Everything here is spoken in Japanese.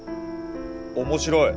面白い！